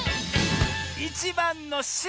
１ばんのしろ！